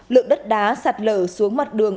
lượng đất đá sạt lở xuống mặt đường